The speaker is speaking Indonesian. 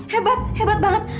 hebat hebat banget